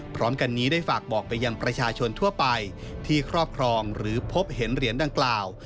พร้อมกันนี้ได้ฝากบอกไปยังประชาชนทั่วไปที่ครอบครองหรือพบเห็นเหรียญดังกล่าว